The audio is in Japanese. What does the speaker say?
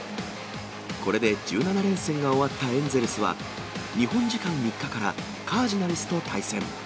これで１７連戦が終わったエンゼルスは、日本時間３日から、カージナルスと対戦。